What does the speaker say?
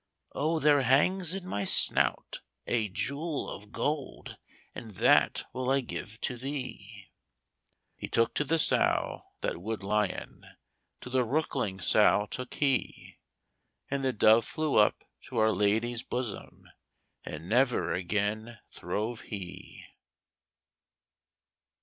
'Oh, there hangs in my snout a jewel of gold, And that will I give to thee.' He took to the sow that Wood Lyon; To the rookling sow took he; And the dove flew up to Our Lady's bosom; And never again throve he.